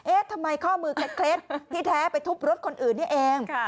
ทำไมข้อมือเคล็ดที่แท้ไปทุบรถคนอื่นนี่เอง